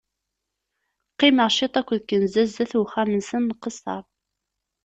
Qqimeɣ ciṭ aked kenza sdat n uxxam-nsen nqesser.